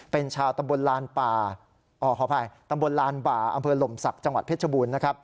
เป็นชาวตำบลลานบ่าอำเภอหลมศักดิ์จังหวัดเพชรบุญ